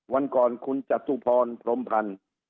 วันก่อนคุณจตุพรพรมพันธ์